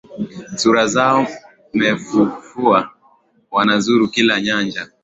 Sura Zao ‘mefufua, Wanazuru kila nyanja,